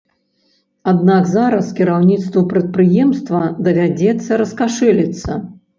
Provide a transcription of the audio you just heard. Аднак зараз кіраўніцтву прадпрыемства давядзецца раскашэліцца.